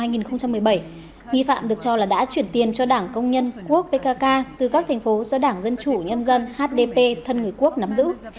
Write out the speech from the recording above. nghi phạm được cho là đã chuyển tiền cho đảng công nhân quốc pkk từ các thành phố do đảng dân chủ nhân dân hdp thân người quốc nắm giữ